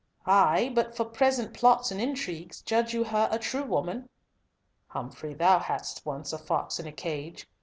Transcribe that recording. "Ay, but for present plots and intrigues, judge you her a true woman?" "Humfrey, thou hadst once a fox in a cage.